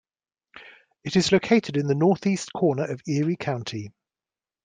It is located in the northeastern corner of Erie County.